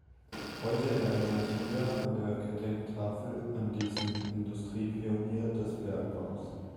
Heute erinnert hier eine Gedenktafel an diesen Industriepionier des Bergbaus.